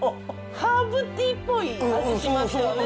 ハーブティーっぽい味がしますよね。